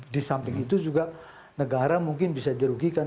di samping itu juga negara mungkin bisa dirugikan